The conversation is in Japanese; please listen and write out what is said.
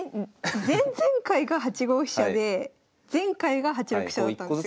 前々回が８五飛車で前回が８六飛車だったんですよ。